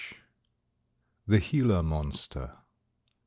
THE GILA MONSTER.